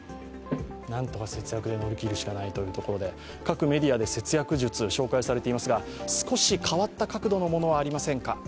なんとか節約で乗り切るしかないというところで各メディアで節約術、紹介されていますが少し変わった角度のものはありませんか。